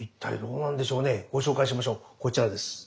こちらです。